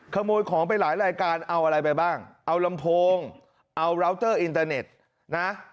ขโมยของไปหลายรายการเอาอะไรไปบ้างเอาลำโพงเอาราวเตอร์อินเตอร์เน็ตนะ